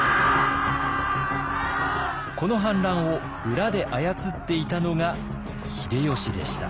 この反乱を裏で操っていたのが秀吉でした。